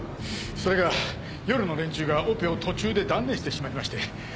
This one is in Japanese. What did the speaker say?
それが夜の連中がオペを途中で断念してしまいまして。